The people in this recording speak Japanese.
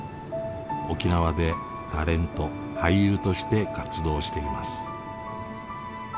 沖縄でタレント・俳優として活動しています。